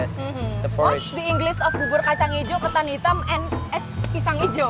apa bahasa inggris bubur kacang hijau ketan hitam dan pisang hijau